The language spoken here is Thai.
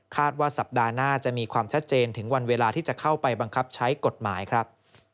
ว่าสัปดาห์หน้าจะมีความชัดเจนถึงวันเวลาที่จะเข้าไปบังคับใช้กฎหมายครับ